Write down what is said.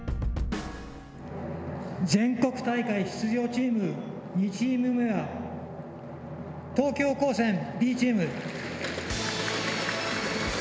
全国大会出場チーム２チーム目は東京高専Ｂチーム。